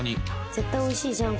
絶対おいしいじゃん。